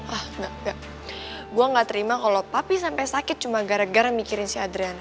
ah enggak gue gak terima kalo papi sampai sakit cuma gara gara mikirin si adriana